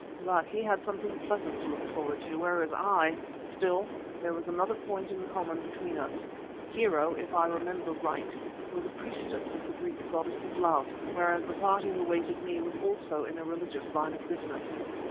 But he had something pleasant to look forward to, whereas I ! Still, there was another point in common between us. Hero, if I remember right, was a priestess of the Greek goddess of love, whereas the party who waited me was also in a religious line of business.